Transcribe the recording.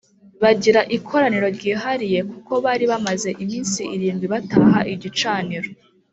bagira ikoraniro ryihariye kuko bari bamaze iminsi irindwi bataha igicaniro